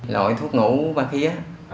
lội thuốc ngủ ba khi á